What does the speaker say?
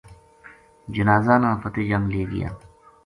جنازہ نا فتح جنگ لے گیا